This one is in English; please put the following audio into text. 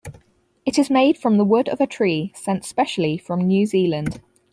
It is made from the wood of a tree sent specially from New Zealand.